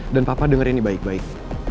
dan papa dengerin nih baik baik